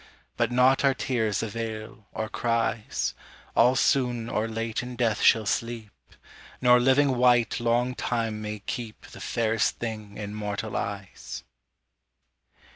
But naught our tears avail, or cries; All soon or late in death shall sleep; Nor living wight long time may keep The fairest thing in mortal eyes.